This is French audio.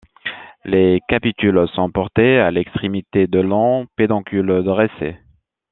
Les capitules sont portés à l'extrémité de longs pédoncules dressés.